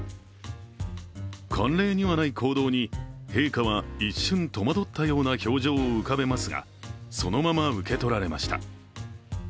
慣例にはない行動に陛下は一瞬戸惑ったような表情を浮かべますがそのまま受け取られました。